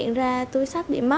em ngủ hơi sâu